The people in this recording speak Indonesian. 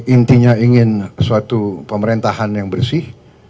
intinya ingin suatu pemerintahan yang bersih